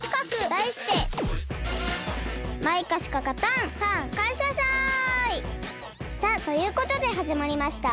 だいしてさあということではじまりました！